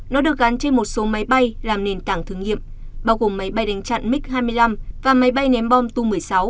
nó được gắn trên một số máy bay làm nền tảng thử nghiệm bao gồm máy bay đánh chặn mig hai mươi năm và máy bay ném bom tù một mươi sáu